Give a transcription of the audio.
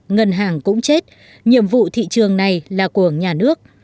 nghị trường này là của nhà nước